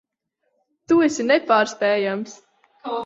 Tu esi nepārspējams.